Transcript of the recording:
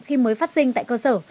khi mới phát sinh tại cơ sở